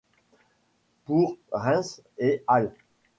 Pour Rains et al.